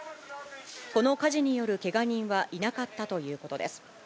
この火事によるけが人はいなかったということです。